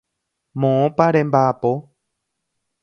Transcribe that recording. Moõpa remba'apo.